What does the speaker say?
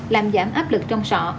làm giảm áp lực trong sọ